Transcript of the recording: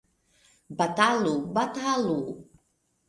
Batalu! batalu!